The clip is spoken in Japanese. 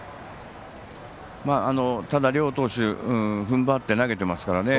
ただ、両投手ふんばって投げていますからね。